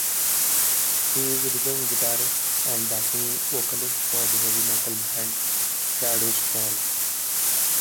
He is rhythm guitarist and backing vocalist for the heavy metal band Shadows Fall.